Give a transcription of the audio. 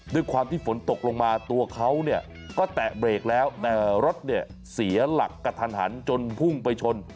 ด้วยความที่ฝนตกลงมาตัวเขาก็แตะเบรกแล้วแต่รถเนี่ยเสียหลักกระทันหันจนพุ่งไปชน